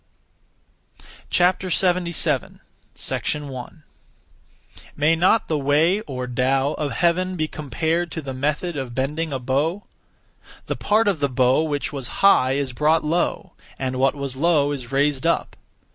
77. 1. May not the Way (or Tao) of Heaven be compared to the (method of) bending a bow? The (part of the bow) which was high is brought low, and what was low is raised up.